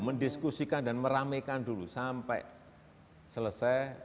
mendiskusikan dan meramaikan dulu sampai selesai